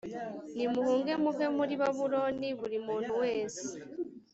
nimuhunge muve muri babuloni buri muntu wese